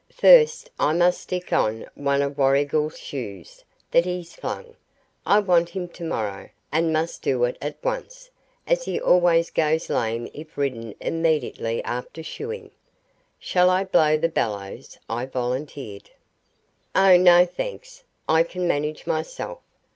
"First I must stick on one of Warrigal's shoes that he's flung. I want him tomorrow, and must do it at once, as he always goes lame if ridden immediately after shoeing." "Shall I blow the bellows?" I volunteered. "Oh no, thanks. I can manage myself.